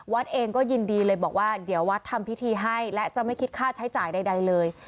วัดเองก็ยินดีเลยบอกว่าเดี๋ยววัดทำพิธีให้และจะไม่คิดค่าใช้จ่ายใดเลย